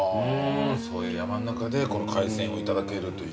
そういう山ん中でこの海鮮をいただけるという。